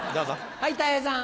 はいたい平さん。